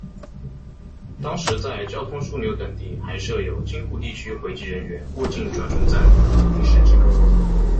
当时在交通枢纽等地还设有京沪地区回籍人员过境转送站等临时机构。